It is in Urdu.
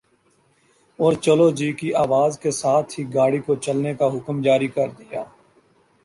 اور چلو جی کی آواز کے ساتھ ہی گاڑی کو چلنے کا حکم جاری کر دیا